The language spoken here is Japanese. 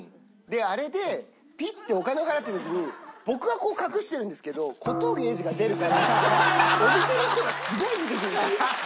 あれでピッてお金を払った時に僕はこう隠してるんですけど小峠英二が出るからお店の人がすごい見てくるんですよ。